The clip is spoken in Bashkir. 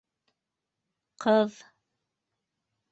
Ҡыҙ...